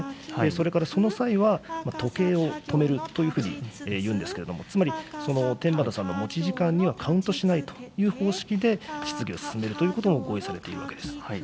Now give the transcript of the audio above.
それからその際は、時計を止めるというふうに言うんですけれども、つまり、天畠さんの持ち時間にはカウントしないという方式で、質疑を進めるということも合意されているわけです。